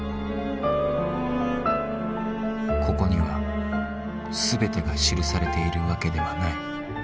「ここには全てが記されているわけではない。